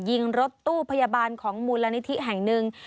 ยิงรถตู้พยาบาลของมูลนิธิแห่งหนึ่ง